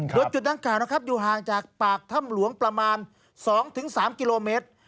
โดยจุดดังกล่าวนะครับอยู่ห่างจากปากถ้ำหลวงประมาณ๒๓กิโลเมตร